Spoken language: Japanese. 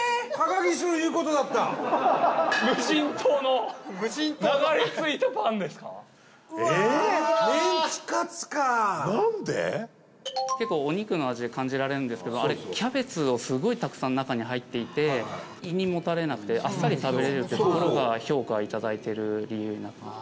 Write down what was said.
木内さん：結構、お肉の味を感じられるんですけどあれ、キャベツをすごいたくさん中に入っていて胃にもたれなくてあっさり食べれるってところが評価いただいてる理由になってます。